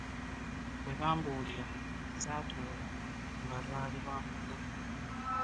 Bwe bambulira saatuula nga lwali lwa mugagga .